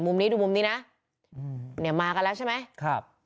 นี้ดูมุมนี้นะอืมเนี่ยมากันแล้วใช่ไหมครับ